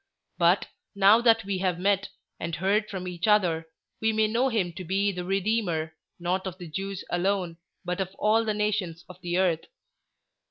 But, now that we have met, and heard from each other, we may know him to be the Redeemer, not of the Jews alone, but of all the nations of the earth.